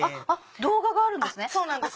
動画があるんですね。